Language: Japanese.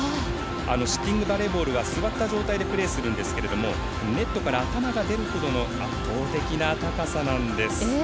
シッティングバレーボールは座った状態でプレーするんですがネットから頭が出るほどの圧倒的な高さなんです。